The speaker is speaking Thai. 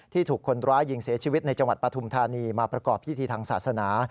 ถูกคนร้ายยิงเสียชีวิตในจังหวัดปฐุมธานีมาประกอบพิธีทางศาสนา